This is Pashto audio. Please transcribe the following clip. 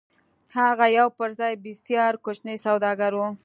هغه يو پر ځان بسيا کوچنی سوداګر و.